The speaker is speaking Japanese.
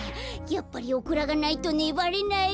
やっぱりオクラがないとねばれない。